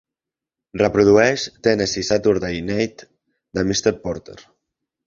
Reprodueix Tennessee Saturday Night de Mr. Porter